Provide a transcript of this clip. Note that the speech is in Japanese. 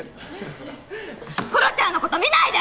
ころちゃんのこと見ないで！